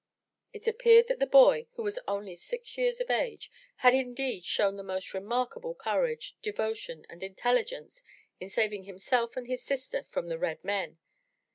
It appeared that the boy, who was only six years of age, had indeed shown the most remarkable courage, devotion and intelli gence in saving himself and his sister from the red men.